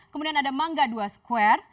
kemudian ada mangga dua square